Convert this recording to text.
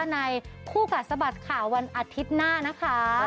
ในคู่กัดสะบัดข่าววันอาทิตย์หน้านะคะ